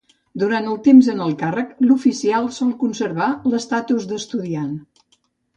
Durant el temps en el càrrec, l'oficial sol conservar l'estatus d'estudiant.